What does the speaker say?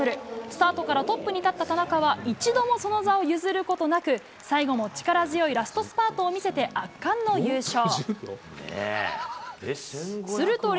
スタートからトップに立った田中は一度もその座を譲ることなく、最後も力強いラストスパートを見せて圧巻の優勝。